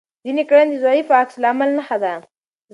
ځینې کړنې د ضعیف عکس العمل نښه ده.